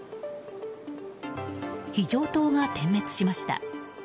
非常灯が点滅しました。